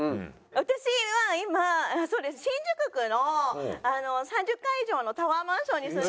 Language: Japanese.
私は今新宿区の３０階以上のタワーマンションに住んでいます。